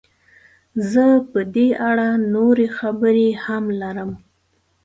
زه په دې اړه نورې خبرې هم لرم.